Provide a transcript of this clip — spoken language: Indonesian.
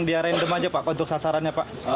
dia random aja pak untuk sasarannya pak